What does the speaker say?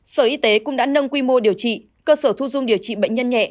sở y tế cũng đã nâng quy mô điều trị cơ sở thu dung điều trị bệnh nhân nhẹ